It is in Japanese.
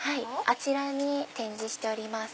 あちらに展示しております。